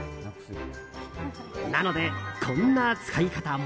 なので、こんな使い方も。